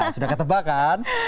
sudah ketebak kan